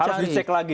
harus dicek lagi